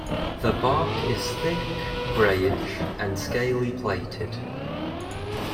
The bark is thick, greyish, and scaly plated.